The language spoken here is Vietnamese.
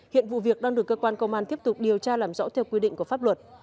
hiện vụ việc đang được cơ quan công an tiếp tục điều tra làm rõ theo quy định của pháp luật